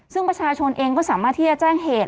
ซึ่งประชาชนเองก็สามารถที่จะแจ้งเหตุ